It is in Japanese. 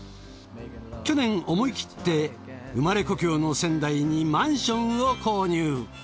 去年思い切って生まれ故郷の仙台にマンションを購入。